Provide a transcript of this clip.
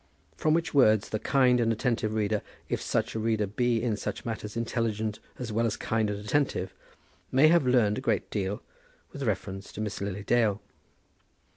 From which words the kind and attentive reader, if such reader be in such matters intelligent as well as kind and attentive, may have learned a great deal with reference to Miss Lily Dale.